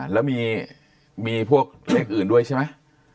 แล้วมีพวกเลขอื่นด้วยใช่ไหม